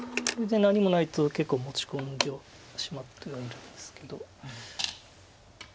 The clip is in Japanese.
これで何もないと結構持ち込んではしまってはいるんですけど。